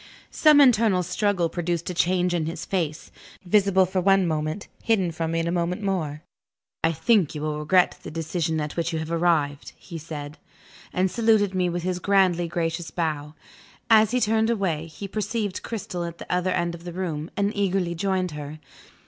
Some internal struggle produced a change in his face visible for one moment, hidden from me in a moment more. "I think you will regret the decision at which you have arrived." He said that, and saluted me with his grandly gracious bow. As he turned away, he perceived Cristel at the other end of the room, and eagerly joined her.